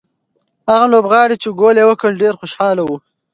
هغه لوبغاړی چې ګول یې وکړ ډېر خوشاله و.